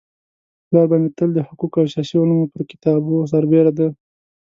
پلار به مي تل د حقوقو او سياسي علومو پر كتابو سربيره د